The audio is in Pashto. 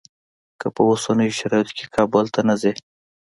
که په اوسنیو شرایطو کې کابل ته نه ځې.